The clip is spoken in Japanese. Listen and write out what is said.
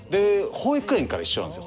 保育園から一緒なんですよ